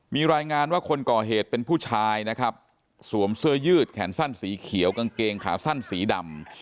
มีรายงานว่าคนก่อเหตุเป็นผู้ชายนะครับสวมเสื้อยืดแขนสั้นสีเขียวกางเกงขาสั้นสีดำ